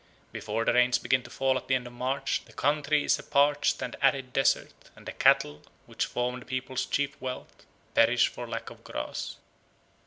Before the rains begin to fall at the end of March the country is a parched and arid desert; and the cattle, which form the people's chief wealth, perish for lack of grass.